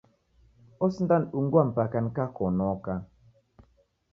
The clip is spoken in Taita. Osindanidungua mpaka nikakonoka.